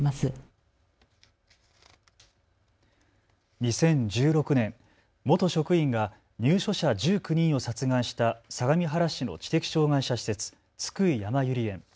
２０１６年、元職員が入所者１９人を殺害した相模原市の知的障害者施設津久井やまゆり園。